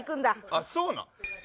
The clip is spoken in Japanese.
あっそうなの？